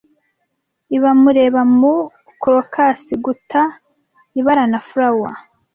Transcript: I bamureba mu crocus guta Ibara na flower,